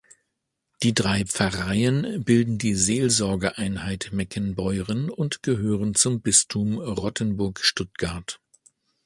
Die drei Pfarreien bilden die Seelsorgeeinheit Meckenbeuren und gehören zum Bistum Rottenburg-Stuttgart.